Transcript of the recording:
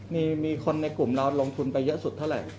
มีคนในกลุ่มเราลงทุนไปเยอะสุดเท่าไหร่